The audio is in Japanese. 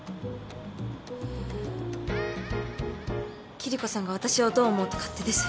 キリコさんが私をどう思おうと勝手です。